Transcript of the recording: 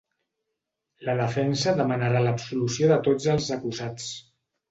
La defensa demanarà l’absolució de tots els acusats.